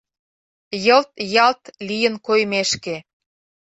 Йылт-йалт лийын коймешке.